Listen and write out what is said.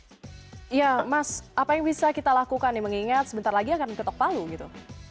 iya mas apa yang bisa kita lakukan nih mengingat sebentar lagi akan ketok palu gitu